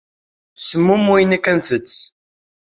Semmum wayen akka ntess.